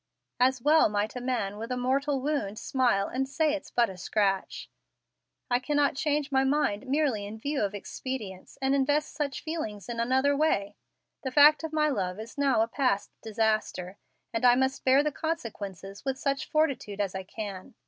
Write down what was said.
As well might a man with a mortal wound smile and say it's but a scratch. I cannot change my mind merely in view of expedience and invest such feelings in another way. The fact of my love is now a past disaster, and I must bear the consequences with such fortitude as I can.